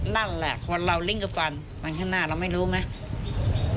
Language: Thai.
นั่นแหละคนเราลิ้งกับฟันฟันข้างหน้าเราไม่รู้ไง